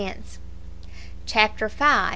Chapter V.